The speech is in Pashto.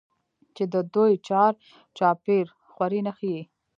چې د دوى چار چاپېر خورې نښي ئې